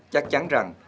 chắc chắn rằng